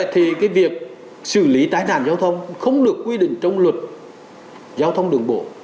thì cái việc xử lý tai nạn giao thông không được quy định trong luật giao thông đường bộ